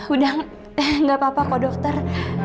udah gak apa apa kok dokter